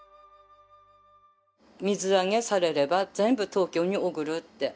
水揚げされれば全部東京に送るって。